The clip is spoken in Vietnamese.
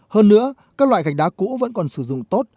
hơn nữa các loại gạch đá cũ vẫn còn sử dụng tốt